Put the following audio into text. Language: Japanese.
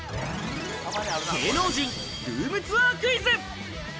芸能人ルームツアークイズ！